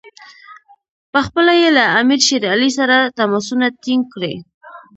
پخپله یې له امیر شېر علي سره تماسونه ټینګ کړي.